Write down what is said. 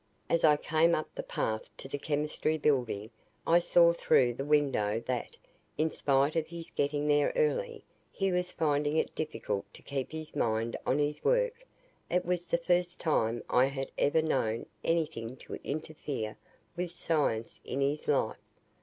As I came up the path to the Chemistry Building I saw through the window that, in spite of his getting there early, he was finding it difficult to keep his mind on his work. It was the first time I had ever known anything to interfere with science in his life.